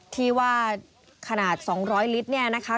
ที่ว่าขนาด๒๐๐ลิตรเนี่ยนะคะ